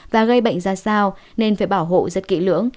và gây bệnh ra sao nên phải bảo hộ rất kỹ lưỡng